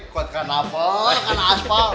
kau kan lapar kan asli lah